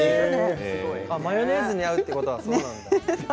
マヨネーズが合うということはそうなんだ。